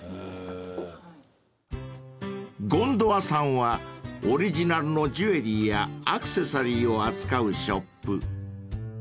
［ｇｏｎｄｏａさんはオリジナルのジュエリーやアクセサリーを扱うショップ］